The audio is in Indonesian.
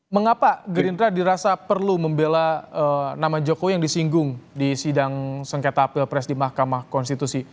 mengapa gerindra dirasa perlu membela nama jokowi yang disinggung di sidang sengketa pilpres di mahkamah konstitusi